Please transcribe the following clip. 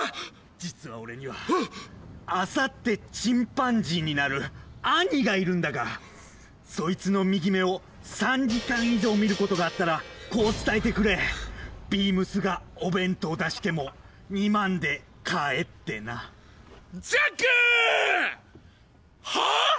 実は俺にはあさってチンパンジーになる兄がいるんだがそいつの右目を３時間以上見ることがあったらこう伝えてくれビームスがお弁当出しても２万で買えってなジャックー！はあ！？